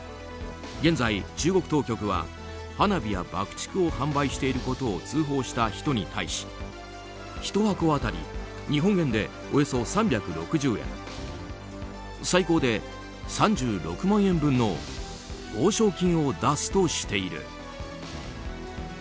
現在、中国当局は花火や爆竹を販売していることを通報した人に対し、１箱当たり日本円でおよそ３６０円最高で３６万円分の報奨金を出すとしている。